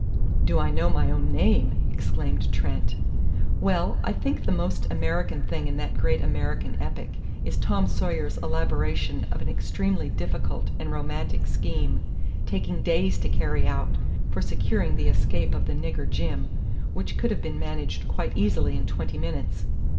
'" "Do I know my own name?" exclaimed Trent. "Well, I think the most American thing in that great American epic is Tom Sawyer's elaboration of an extremely difficult and romantic scheme, taking days to carry out, for securing the escape of the nigger Jim, which could have been managed quite easily in twenty minutes.